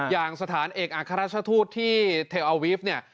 อย่างสถานเอกอัครราชทูตที่เทลอาวีฟเนี่ย